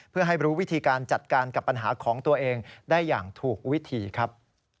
เพื่อให้รู้วิธีการจัดการกับปัญหาของตัวเองได้อย่างถูกวิธีครับ